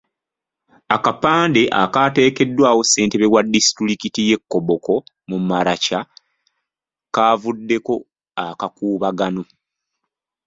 Akapande akaateekeddwawo ssentebe wa disitulikiti y'e Koboko mu Maracha kaavuddeko akakuubagano.